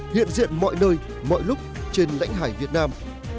hiện diện mọi nơi mọi lúc trên lãnh hải việt nam